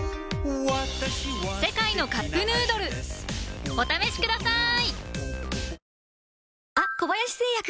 「世界のカップヌードル」お試しください！